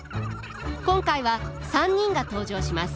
今回は３人が登場します。